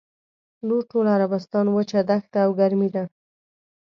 نور ټول عربستان وچه دښته او ګرمي ده.